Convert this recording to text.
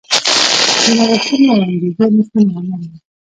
د نوښتونو او انګېزو نشتون له امله و.